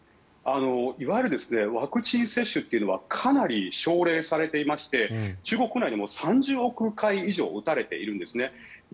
いわゆるワクチン接種というのはかなり奨励されていまして中国国内でも３０億回以上打たれているんですね。